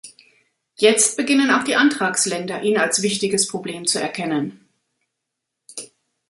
Jetzt beginnen auch die Antragsländer, ihn als wichtiges Problem zu erkennen.